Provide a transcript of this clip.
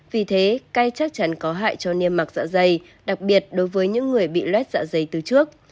vì thế cay chắc chắn có hại cho niềm mặc dạ dày đặc biệt đối với những người bị loét dạ dày từ trước